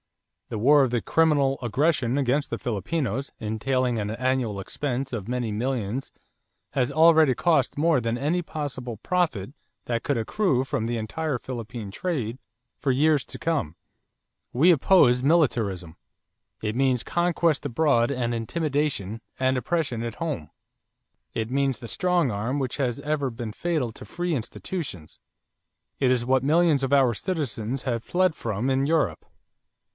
The war of 'criminal aggression' against the Filipinos entailing an annual expense of many millions has already cost more than any possible profit that could accrue from the entire Philippine trade for years to come.... We oppose militarism. It means conquest abroad and intimidation and oppression at home. It means the strong arm which has ever been fatal to free institutions. It is what millions of our citizens have fled from in Europe.